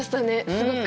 すごく。